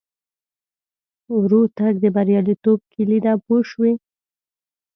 ورو تګ د بریالیتوب کیلي ده پوه شوې!.